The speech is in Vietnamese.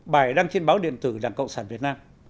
bài đăng trên báo điện tử đảng cộng sản việt nam